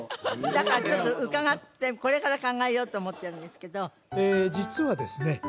だからちょっと伺ってこれから考えようと思ってるんですけど実はですね